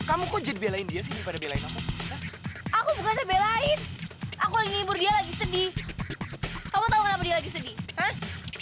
aku bukan belain aku ngibur dia lagi sedih kamu tahu lagi sedih